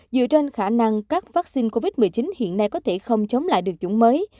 dựa trên khả năng các vaccine covid một mươi chín hiện nay có thể không chống lại được chủng mới